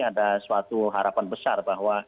ada suatu harapan besar bahwa